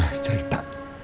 al sudah cerita